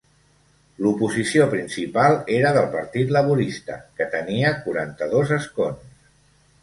L'oposició principal era del Partit Laborista, que tenia quaranta-dos escons.